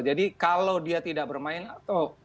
jadi kalau dia tidak bermain atau